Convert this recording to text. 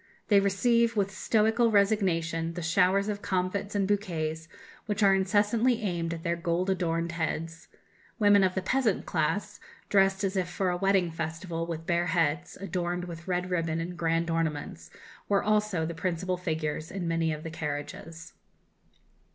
They receive, with stoical resignation, the showers of comfits and bouquets which are incessantly aimed at their gold adorned heads. Women of the peasant class, dressed as if for a wedding festival, with bare heads, adorned with red ribbon and grand ornaments, were also the principal figures in many of the carriages....